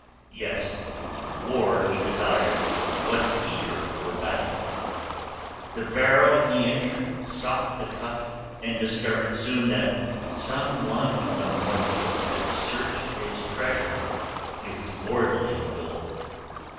Yet war he desired, was eager for battle. The barrow he entered, sought the cup, and discovered soon that some one of mortals had searched his treasure, his lordly gold.